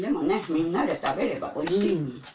みんなで食べればおいしい